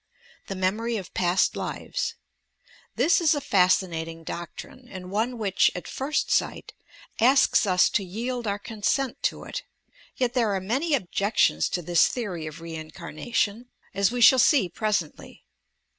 THE MEMOET OP PAST LIVES This is a fascinating doctrine and one which, at first sight, asks us to yield our consent to it; yet there are many objections to this theory of reincarnation, as we i REINCARNATION 285 shall see presently.